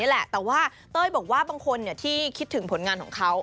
แหละแต่ว่าเต้ยบอกว่าบางคนที่คิดถึงผลงานของเขา